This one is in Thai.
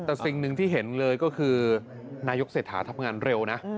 แต่สิ่งหนึ่งที่เห็นเลยก็คือนายกเศรษฐาทำงานเร็วนะ